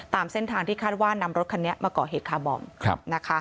ตามเส้นทางที่คาดว่านำรถคันนี้มาก่อเหตุคาร์บอมนะคะ